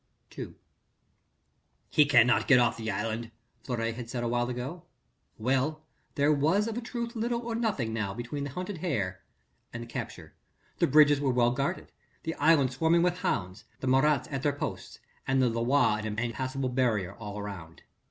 II "He cannot get off the island!" Fleury had said awhile ago. Well! there was of a truth little or nothing now between the hunted hare and capture. The bridges were well guarded: the island swarming with hounds, the Marats at their posts and the Loire an impassable barrier all round.